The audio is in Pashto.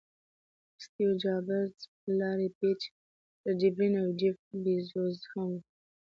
سټیو جابز، لاري پیج، سرجي برین او جیف بیزوز هم وو.